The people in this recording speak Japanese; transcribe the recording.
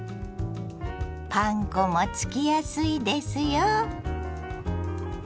パン粉もつきやすいですよ。